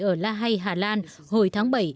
ở la hay hà lan hồi tháng bảy